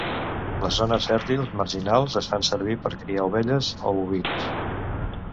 Les zones fèrtils marginals es fan servir per criar ovelles o bovins.